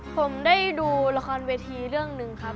ผมได้ดูละครเวทีเรื่องหนึ่งครับ